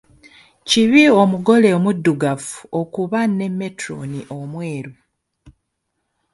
Kibi omugole omuddugavu okuba ne metulooni omweru.